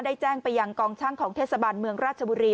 แจ้งไปยังกองช่างของเทศบาลเมืองราชบุรี